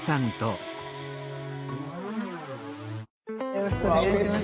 よろしくお願いします。